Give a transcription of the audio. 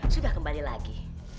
sudah kembali lagi